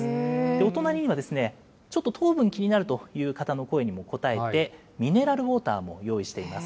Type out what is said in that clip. お隣には、ちょっと糖分気になるという方の声にも応えて、ミネラルウォーターも用意しています。